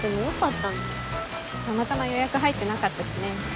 たまたま予約入ってなかったしね。